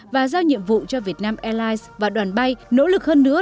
và giao nhiệm vụ cho việt nam airlines và đoàn bay nỗ lực hơn nữa